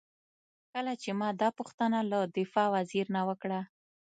کله چې ما دا پوښتنه له دفاع وزیر نه وکړه.